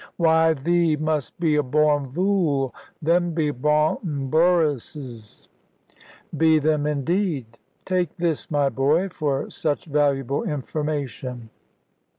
"Whai, thee must be a born vule. Them be Braunton Burrusses!" "Be them indeed? Take this, my boy, for such valuable information."